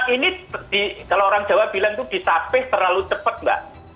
ini kalau orang jawa bilang itu disapeh terlalu cepat mbak